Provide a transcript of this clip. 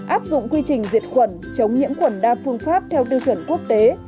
áp dụng quy trình diệt khuẩn chống nhiễm khuẩn đa phương pháp theo tiêu chuẩn quốc tế